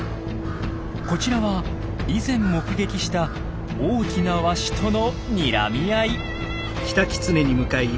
こちらは以前目撃した大きなワシとのにらみ合い。